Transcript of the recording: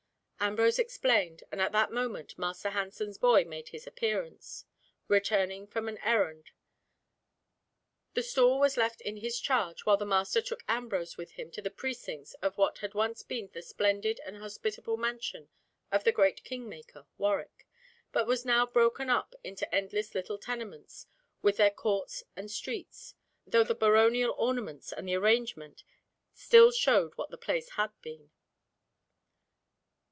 Ambrose explained, and at that moment Master Hansen's boy made his appearance, returning from an errand; the stall was left in his charge, while the master took Ambrose with him into the precincts of what had once been the splendid and hospitable mansion of the great king maker, Warwick, but was now broken up into endless little tenements with their courts and streets, though the baronial ornaments and the arrangement still showed what the place had been.